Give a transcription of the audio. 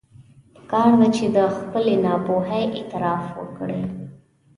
پکار ده چې د خپلې ناپوهي اعتراف وکړي.